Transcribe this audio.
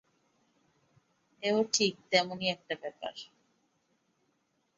এ-ও ঠিক তেমনি একটা ব্যাপার।